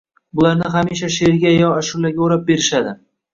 Bularni hamisha she’rga yo ashulaga o‘rab berishadi.